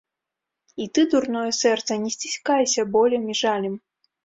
І ты, дурное сэрца, не сціскайся болем і жалем.